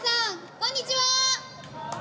こんにちは。